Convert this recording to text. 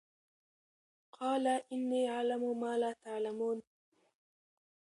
قَالَ إِنِّىٓ أَعْلَمُ مَا لَا تَعْلَمُونَ